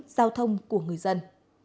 giao thông của người dân